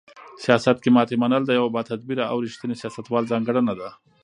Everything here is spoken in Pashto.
سیاست کې ماتې منل د یو باتدبیره او رښتیني سیاستوال ځانګړنه ده.